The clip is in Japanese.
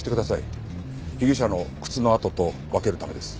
被疑者の靴の跡と分けるためです。